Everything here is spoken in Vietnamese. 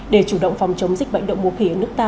để chủ động phòng chống dịch bệnh đậu mùa khỉ ở nước ta